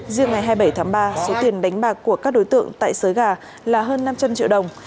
riêng ngày hai mươi bảy tháng ba số tiền đánh bạc của các đối tượng tại xới gà là hơn năm trăm linh triệu đồng